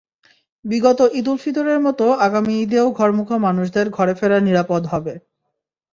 বিগত ঈদুল ফিতরের মতো আগামী ঈদেও ঘরমুখো মানুষদের ঘরে ফেরা নিরাপদ হবে।